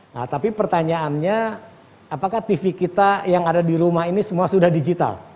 nah tapi pertanyaannya apakah tv kita yang ada di rumah ini semua sudah digital